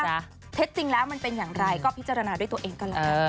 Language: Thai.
ว่าเท็จจริงแล้วมันเป็นอย่างไรก็พิจารณาด้วยตัวเองกันเลย